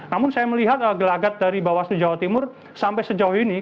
namun saya melihat gelagat dari bawaslu jawa timur sampai sejauh ini